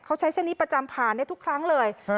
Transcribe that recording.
เขาใช้เส้นนี้ประจำผ่านได้ทุกครั้งเลย